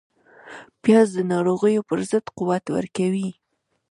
پیاز د ناروغیو پر ضد قوت ورکوي